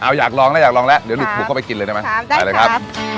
เอาอยากลองแล้วอยากลองแล้วเดี๋ยวลูกผูกเข้าไปกินเลยได้ไหมครับได้ครับ